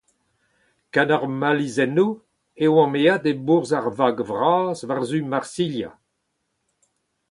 Gant hor malizennoù e oamp aet e-bourzh ar vag vras war-zu Marsilha.